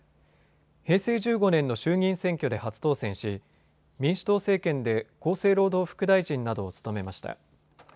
平成１５年の衆議院選挙で初当選し民主党政権で厚生労働副大臣などを務めました。